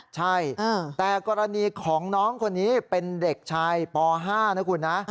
ใช่แต่กรณีของน้องคนนี้เป็นเด็กชายป๕นะคุณนะ